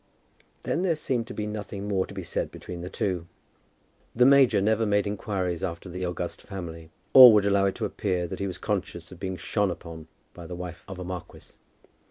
Then there seemed to be nothing more to be said between the two. The major never made inquiries after the august family, or would allow it to appear that he was conscious of being shone upon by the wife of a marquis.